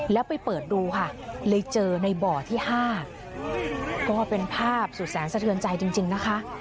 แล้วไปเปิดดูค่ะเลยเจอในบ่อที่๕ก็เป็นภาพสุดแสนสะเทือนใจจริงนะคะ